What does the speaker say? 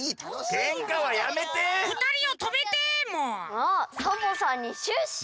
あサボさんにシュッシュ！